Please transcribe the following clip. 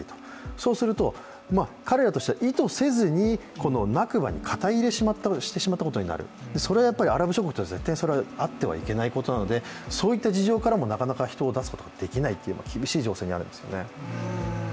そうすると、彼らとしては意図せずにナクバに肩入れしてしまったことになる、それはやっぱりアラブ諸国では絶対にあってはいけないことなので、そういった事情からもなかなか人を出すことができないという厳しい情勢にあるんですよね。